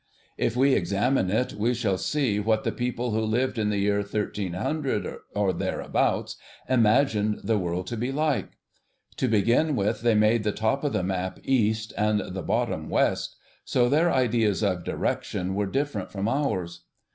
If we examine it we shall see what the people who lived in the year 1300 or thereabouts imagined the world to be like. To begin with, they made the top of the map east, and the bottom west, so their ideas of direction were different from ours.